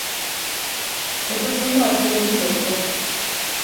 ჯეფერსონმა არჩევნები მოიგო.